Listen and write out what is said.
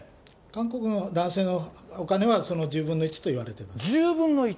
韓国の男性のお金は、その１０分の１と言われてます。